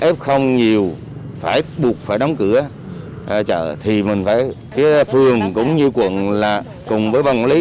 f nhiều phải buộc phải đóng cửa chợ thì mình phải phương cũng như quận là cùng với ban quản lý